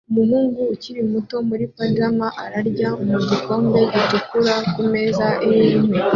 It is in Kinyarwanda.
Umuhungu ukiri muto muri pajama ararya mu gikombe gitukura kumeza yinkwi